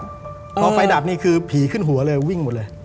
พอไฟดับนี่คือผีขึ้นหัวเลยวิ่งหมดเลย